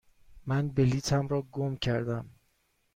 من بلیطم را گم کردم.